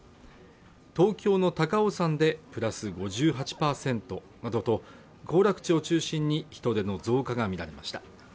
東京の高尾山で、プラス５８％などと、行楽地を中心に人出の増加が見られました。